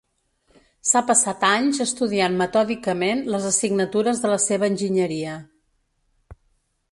S'ha passat anys estudiant metòdicament les assignatures de la seva enginyeria.